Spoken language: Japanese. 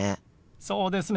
そうですね。